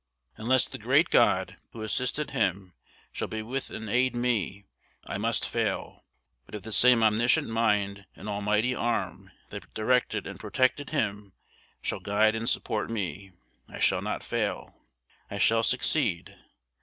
Unless the great God, who assisted him, shall be with and aid me, I must fail; but if the same omniscient mind and almighty arm that directed and protected him shall guide and support me, I shall not fail, I shall succeed.